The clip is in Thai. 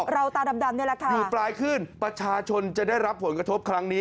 เราตาดำนี่แหละค่ะอยู่ปลายขึ้นประชาชนจะได้รับผลกระทบครั้งนี้